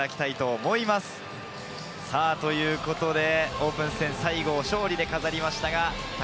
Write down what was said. オープン戦、最後勝利で飾りました。